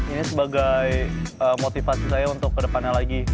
ini sebagai motivasi saya untuk ke depannya lagi